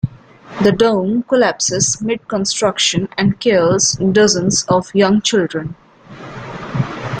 The dome collapses mid-construction and kills dozens of young children.